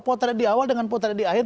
potret di awal dengan potret di akhir